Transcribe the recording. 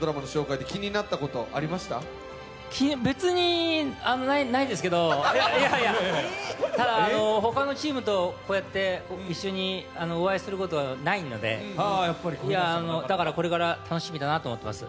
別に気になることはないですけどただ、他のチームとこうやって一緒にお会いすることはないのでだから、これから楽しみだなと思ってます。